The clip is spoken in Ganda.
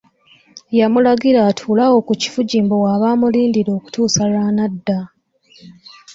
Yamulagira atuule awo ku kifugi mbu w’aba amulindira okutuusa lw’anadda.